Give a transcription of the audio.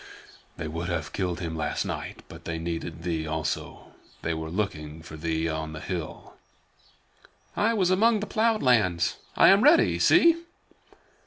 "They would have killed him last night, but they needed thee also. They were looking for thee on the hill." "I was among the plowed lands. I am ready. See!"